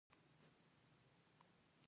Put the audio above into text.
هغه د ښځينه مريضانو سره ښه سلوک کوي.